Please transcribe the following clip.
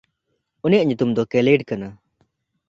ᱩᱱᱤᱭᱟᱜ ᱧᱩᱛᱩᱢ ᱫᱚ ᱠᱮᱭᱞᱤᱰᱷ ᱠᱟᱱᱟ᱾